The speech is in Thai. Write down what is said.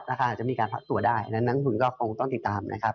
อาจจะมีการพักตัวได้นั้นนักทุนก็คงต้องติดตามนะครับ